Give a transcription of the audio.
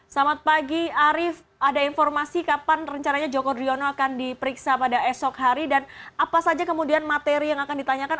selamat pagi arief ada informasi kapan rencananya joko driono akan diperiksa pada esok hari dan apa saja kemudian materi yang akan ditanyakan